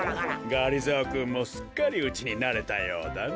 がりぞーくんもすっかりうちになれたようだね。